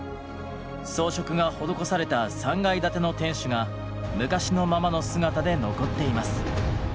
装飾が施された３階建ての天守が昔のままの姿で残っています。